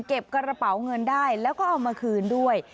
กระเป๋าเงินได้แล้วก็เอามาคืนด้วย